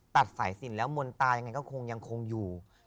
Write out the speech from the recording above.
ตัดสายสินแล้วมนตายังไงก็คงยังคงอยู่